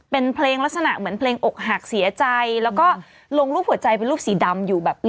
เป็นเพลงลักษณะเหมือนเพลงอกหักเสียใจแล้วก็ลงรูปหัวใจเป็นลูกสีดำอยู่แบบ